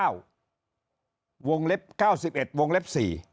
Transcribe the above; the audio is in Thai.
วงเล็บ๙๑วงเล็บ๔